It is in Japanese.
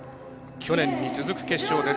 去年に続く決勝です。